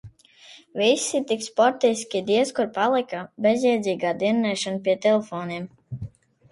Visi tik sportiski, diez kur palika bezjēdzīgā dirnēšana pie telefoniem.